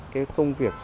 cái thông việc